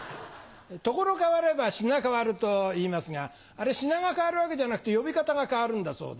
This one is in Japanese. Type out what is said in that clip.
「所変われば品変わる」といいますがあれ品が変わるわけじゃなくて呼び方が変わるんだそうで。